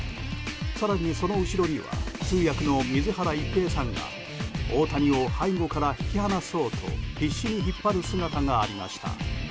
更に、その後ろには通訳の水原一平さんが大谷を背後から引き離そうと必死に引っ張る姿がありました。